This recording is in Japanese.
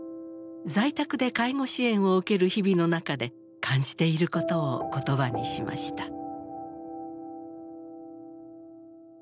在宅で介護支援を受ける日々の中で感じていることを言葉にしました。